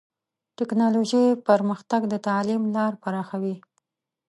ټکنالوژي پرمختګ د تعلیم لار پراخوي.